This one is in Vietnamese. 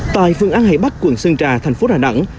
tại phương an hải bắc quận sơn trà tp đà nẵng